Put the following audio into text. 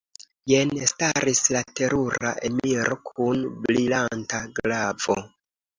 Jen staris la terura emiro kun brilanta glavo.